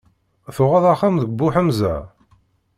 Tuɣeḍ axxam deg Buḥemza?